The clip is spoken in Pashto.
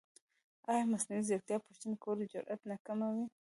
ایا مصنوعي ځیرکتیا د پوښتنې کولو جرئت نه کموي؟